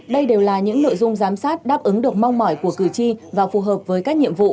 đây đều là những nội dung giám sát đáp ứng được mong mỏi của cử tri và phù hợp với các nhiệm vụ